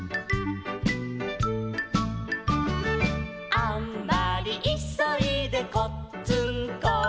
「あんまりいそいでこっつんこ」